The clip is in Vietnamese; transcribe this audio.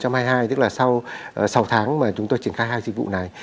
năm hai nghìn hai mươi hai tức là sau sáu tháng mà chúng tôi triển khai hai dịch vụ này